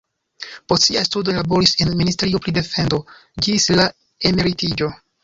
Post siaj studoj li laboris en ministerio pri defendo ĝis la emeritiĝo.